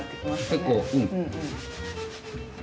結構うん。